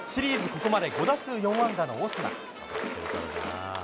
ここまで５打数４安打のオスナ。